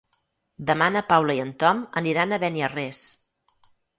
Demà na Paula i en Tom aniran a Beniarrés.